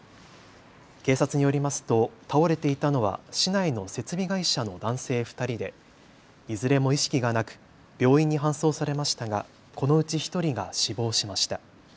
警察によりますと倒れていたのは市内の設備会社の男性２人でいずれも意識がなく病院に搬送されましたがこのうち１人が死亡しました。